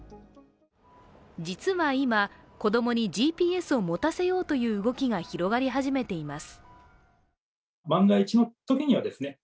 実は今、子供にＧＰＳを持たせようという動きが広がり始めています。